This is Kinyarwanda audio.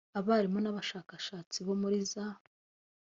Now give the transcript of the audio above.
abarimu n abashakashatsi bo muri za